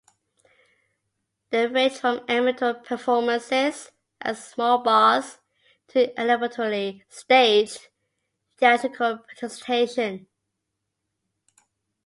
They range from amateur performances at small bars to elaborately staged theatrical presentations.